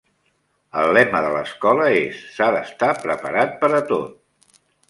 El lema de l'escola és "s'ha d'estar preparat per a tot".